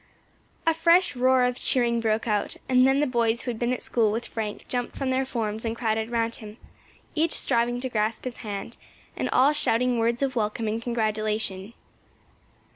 A fresh roar of cheering broke out, and then the boys who had been at school with Frank jumped from their forms and crowded round him, each striving to grasp his hand, and all shouting words of welcome and congratulation.